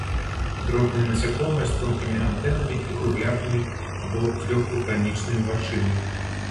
Дробныя насякомыя з тонкімі антэнамі і круглявымі або злёгку канічнымі вачыма.